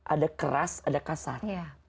ada keras ada kasar